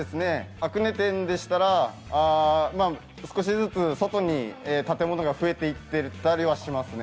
あくね店でしたら少しずつ外に建物が増えていったりはしてますね。